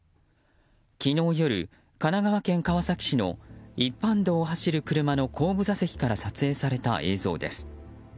昨日夜、神奈川県川崎市の一般道を走る車の後部座席から撮影された映像です。